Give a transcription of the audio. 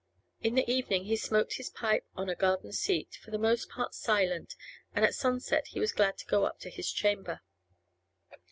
In the evening he smoked his pipe on a garden seat, for the most part silent, and at sunset he was glad to go up to his chamber.